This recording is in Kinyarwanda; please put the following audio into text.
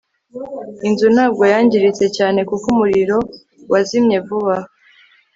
inzu ntabwo yangiritse cyane kuko umuriro wazimye vuba